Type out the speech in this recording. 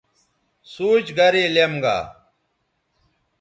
سوچ گرے لیم گا